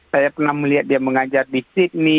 saya pernah melihat dia mengajar di sydney